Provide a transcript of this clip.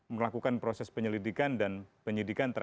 melakukan proses penyelidikan dan penyidikan terhadap polisi